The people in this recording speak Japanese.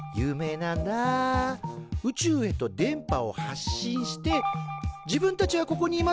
宇宙へと電波を発信して自分たちはここにいます